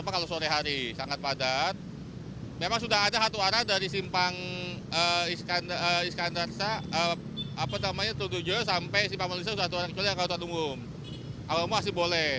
kami masih boleh